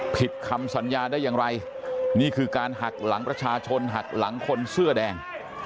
ผิดคำสัญญาได้อย่างไรนี่คือการหักหลังประชาชนหักหลังคนเสื้อแดง